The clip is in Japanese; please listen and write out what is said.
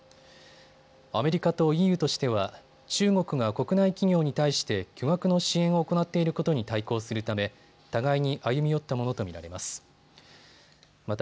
アメリカとＥＵとしては中国が国内企業に対して巨額の支援を行っていることに対抗するため互いに歩み寄ったものと見られます。